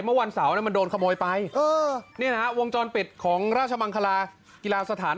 เมื่อวันเสาร์เนี่ยมันโดนขโมยไปเออนี่นะฮะวงจรปิดของราชมังคลากีฬาสถาน